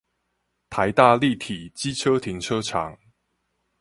臺大立體機車停車場